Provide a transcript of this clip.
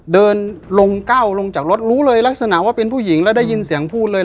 เดินลงก้าวลงจากรถรู้เลยลักษณะว่าเป็นผู้หญิงแล้วได้ยินเสียงพูดเลย